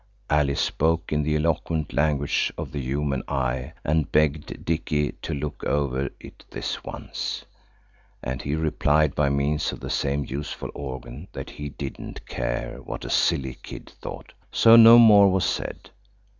Alice spoke in the eloquent language of the human eye and begged Dicky to look over it this once. And he replied by means of the same useful organ that he didn't care what a silly kid thought. So no more was said.